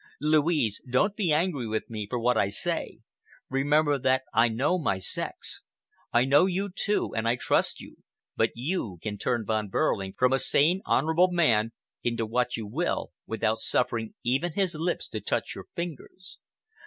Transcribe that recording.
Louise, don't be angry with me for what I say. Remember that I know my sex. I know you, too, and I trust you, but you can turn Von Behrling from a sane, honorable man into what you will, without suffering even his lips to touch your fingers.